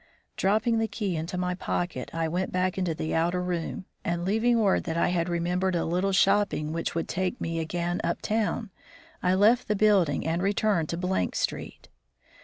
Dropping the key into my pocket, I went back into the outer room, and leaving word that I had remembered a little shopping which would take me again up town, I left the building and returned to Street.